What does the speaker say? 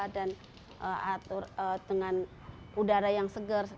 dan atur dengan udara yang segar